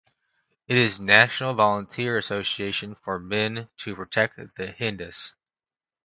It is National Volunteer Association for men to protect the Hindus.